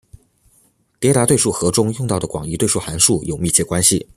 迭代对数和中用到的广义对数函数有密切关系。